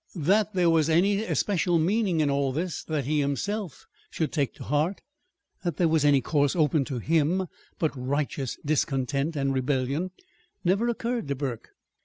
That there was any especial meaning in all this that he himself should take to heart that there was any course open to him but righteous discontent and rebellion never occurred to Burke.